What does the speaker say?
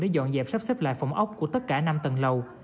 để dọn dẹp sắp xếp lại phòng ốc của tất cả năm tầng lầu